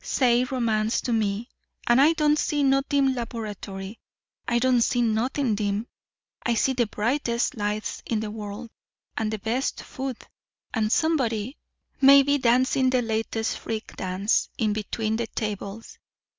Say romance to me, and I don't see no dim laboratory. I don't see nothing dim. I see the brightest lights in the world, and the best food, and somebody, maybe, dancing the latest freak dance in between the tables.